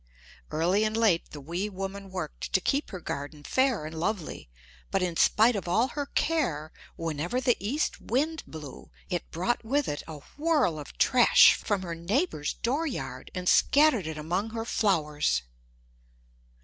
Early and late the wee woman worked to keep her garden fair and lovely but in spite of all her care whenever the east wind blew it brought with it a whirl of trash from her neighbor's dooryard, and scattered it among her flowers.